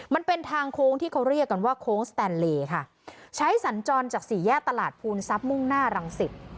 มันเป็นทางโค้งที่เขาเรียกกันว่าโค้งสแตนเลค่ะใช้สัญจรจากสี่แยกตลาดภูนทรัพย์มุ่งหน้ารังสิต